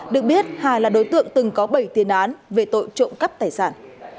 được biết hà là đối tượng từng có bảy tiền án về tội trộm cắp tài sản